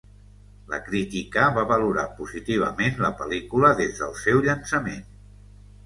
La crítica va valorar positivament la pel·lícula des del seu llançament.